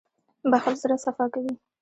• بښل زړه صفا کوي.